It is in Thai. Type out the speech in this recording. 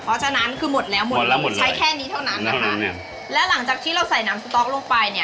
เพราะฉะนั้นคือหมดแล้วหมดแล้วหมดใช้แค่นี้เท่านั้นนะคะแล้วหลังจากที่เราใส่น้ำสต๊อกลงไปเนี่ย